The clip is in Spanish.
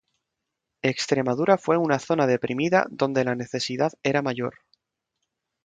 Extremadura fue una zona deprimida donde la necesidad era mayor.